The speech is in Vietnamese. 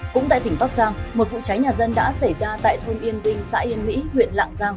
cũng tại tỉnh bắc giang một vụ cháy nhà dân đã xảy ra tại thôn yên vinh xã yên mỹ huyện lạng giang